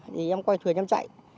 thì em quay thuyền em chạy